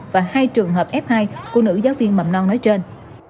và hai trường hợp f hai của nữ giáo viên mầm non nói trên